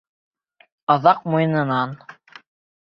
Аҙаҡ муйынынан...